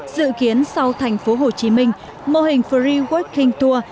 dự kiến sau thành phố hồ chí minh mô hình free warking tour